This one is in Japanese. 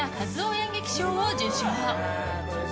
演劇賞を受賞。